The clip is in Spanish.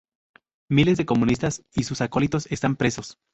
Miles de comunistas y sus acólitos están presos.